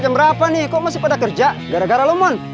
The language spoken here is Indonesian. jam berapa nih kok masih pada kerja gara gara lemon